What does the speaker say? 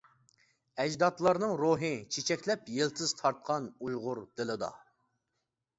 ئەجدادلارنىڭ روھى چېچەكلەپ يىلتىز تارتقان ئۇيغۇر دىلىدا.